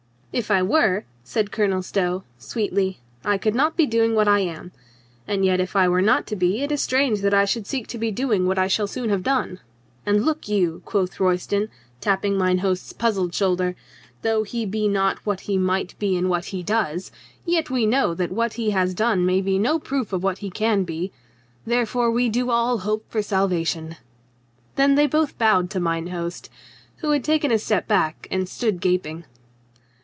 "If I were," said Colonel Stow sweetly, "I could not be doing what I am. And yet if I were not to be, it is strange that I should seek to be doing what I shall soon have done." "And look you," quoth Royston, tapping mine host's puzzled shoulder, "though he be not what he JOAN NORMANDY 21 might be in what he does, yet we know that what he has done may be no proof of what he can be. Wherefore we do all hope for salvation." Then they both bowed to mine host — who had taken a step back, and stood gaping.